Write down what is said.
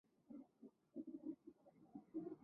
是大观园中最为华丽的房屋之一。